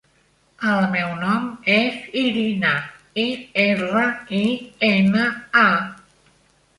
El meu nom és Irina: i, erra, i, ena, a.